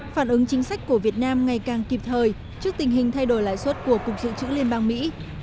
phản ứng chính sách của việt nam ngày càng kịp thời trước tình hình thay đổi lãi suất của cục dự trữ liên bang mỹ